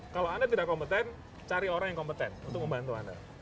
kalau anda tidak kompeten cari orang yang kompeten untuk membantu anda